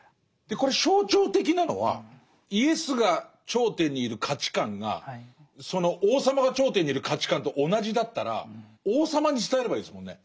これ象徴的なのはイエスが頂点にいる価値観がその王様が頂点にいる価値観と同じだったら王様に伝えればいいですもんね。